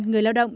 người lao động